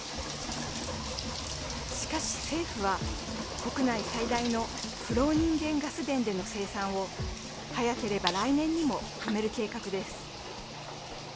しかし、政府は国内最大のフローニンゲン・ガス田での生産を早ければ来年にも止める計画です。